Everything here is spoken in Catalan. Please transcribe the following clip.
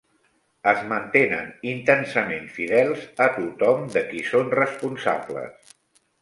Es mantenen intensament fidels a tothom de qui són responsables.